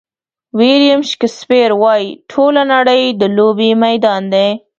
ویلیم شکسپیر ویلي: ټوله نړۍ د لوبې میدان دی.